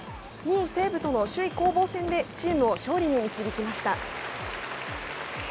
２位西武との首位攻防戦で、チームを勝利に導きました。